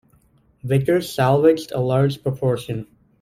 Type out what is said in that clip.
Vickers salvaged a large proportion.